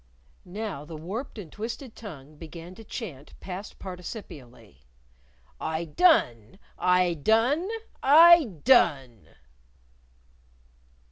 Now the warped and twisted tongue began to chant past participially: "I done! I done!! I done!!!"